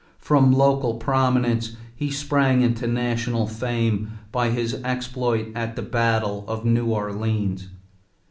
From local prominence he sprang into national fame by his exploit at the battle of New Orleans.